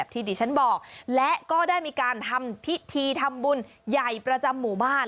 ที่ดิฉันบอกและก็ได้มีการทำพิธีทำบุญใหญ่ประจำหมู่บ้าน